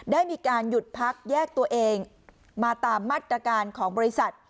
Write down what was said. ได้มีการหยุดพักแยกตัวเองมาตามมาตรการของบริษัท